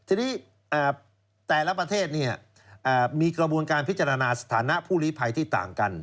ทีนี้แต่ละประเทศมีกระบวนการพิจารณาสถานะผู้ลีภัยที่ต่างกัน